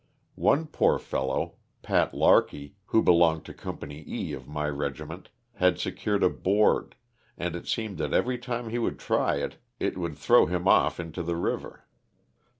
One poor fellow, Pat Larky, who belonged to Company E of my regiment, had secured a board, and it seemed that every time he would try it it would throw him off into the river.